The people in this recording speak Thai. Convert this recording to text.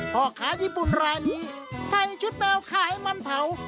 พ่อค้าญี่ปุ่นรายนี้ใส่ชุดแมวขายมันเผา